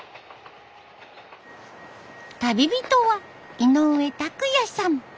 旅人は井上拓哉さん。